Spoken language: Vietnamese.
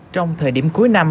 trong thời điểm cuối năm